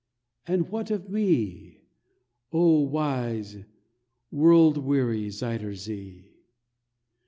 and what of me Oh! wise, world weary Zuyder Zee?